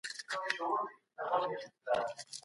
پکښي د هند، ایران، منځنۍ آسیا او جنوبي آسیا د قومونو نښې